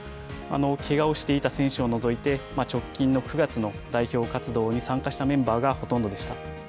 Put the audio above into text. けがをしていた選手を除いて直近の９月の代表活動に参加したメンバーがほとんどでした。